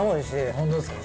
本当ですか。